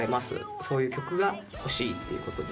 「そういう曲が欲しい」ということで。